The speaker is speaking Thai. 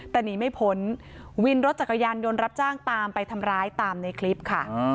แต่หนีไม่พ้นวินรถจักรยานยนต์รับจ้างตามไปทำร้ายตามในคลิปค่ะ